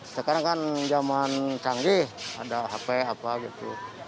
sekarang kan zaman canggih ada hp apa gitu